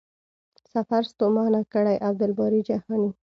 سفر ستومانه کړی.عبدالباري جهاني